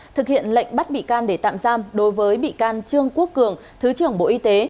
thực hiện lệnh bắt bị can để tạm giam đối với bị can trương quốc cường thứ trưởng bộ y tế